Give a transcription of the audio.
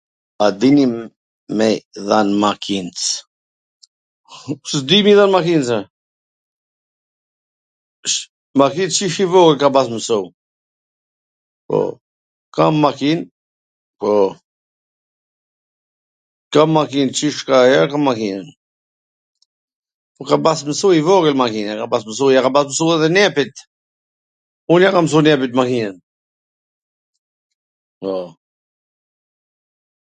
A din m ... me i dhan makins? S di me i dhan makinws, ore? Makin qysh i vogwl kam pas mwsu, po, kam makin po, kam makin qysh nga heret kam makin, un kam pas mwsu i vogwl makin, e kam pas msu, ja paskam msu edhe nipit, un ja kam msu nipit makinwn, po.